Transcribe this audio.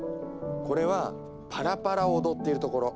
これは「パラパラ」を踊っているところ。